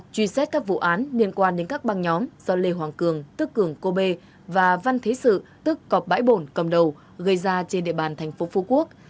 truy xét các vụ án liên quan đến các băng nhóm do lê hoàng cường tức cường cô bê và văn thế sự tức cọp bãi bổn cầm đầu gây ra trên địa bàn thành phố phú quốc